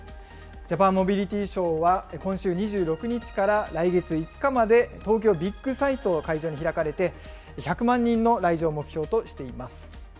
ジャパンモビリティショーは、今週２６日から来月５日まで、東京ビッグサイトを会場に開かれて、１００万人の来場を目標としています。